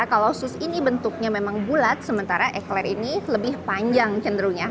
kalau sus ini bentuknya memang bulat sementara ekler ini lebih panjang cenderungnya